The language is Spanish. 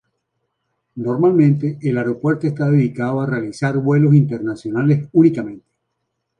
Normalmente, el aeropuerto está dedicado a realizar vuelos internacionales únicamente.